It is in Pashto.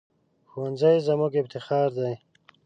ښوونځی زموږ افتخار دی